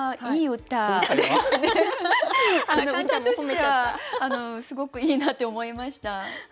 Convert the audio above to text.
歌としてはすごくいいなって思いました。